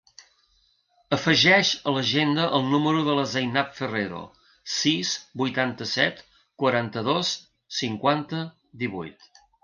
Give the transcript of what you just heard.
Afegeix a l'agenda el número de la Zainab Ferrero: sis, vuitanta-set, quaranta-dos, cinquanta, divuit.